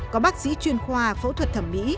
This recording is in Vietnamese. có bác sĩ chuyên khoa phẫu thuật thẩm mỹ